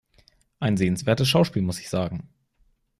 Ein sehenswertes Schauspiel, muss ich sagen.